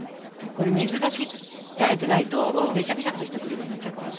これ水が切られてないとベシャベシャッとしたクリームになっちゃうから。